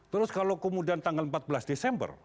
terus kalau kemudian tanggal empat belas desember